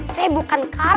saya bukan karo